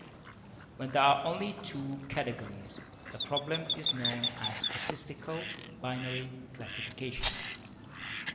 When there are only two categories the problem is known as statistical binary classification.